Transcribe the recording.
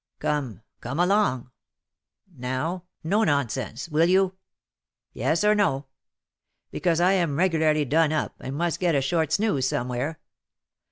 Come, come along now, no nonsense will you? yes or no? because I am regularly done up, and must get a short snooze somewhere.